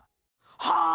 はあ！？